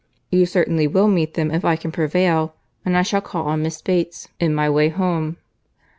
"You certainly will meet them if I can prevail; and I shall call on Miss Bates in my way home."